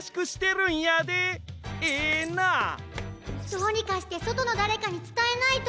どうにかしてそとのだれかにつたえないと！